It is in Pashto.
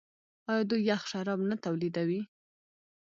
آیا دوی یخ شراب نه تولیدوي؟